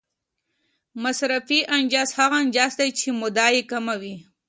مصرفي اجناس هغه اجناس دي چې موده یې کمه وي.